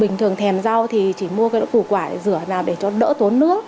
bình thường thèm rau thì chỉ mua cái đỗ củ quả rửa nào để cho đỡ tốn nước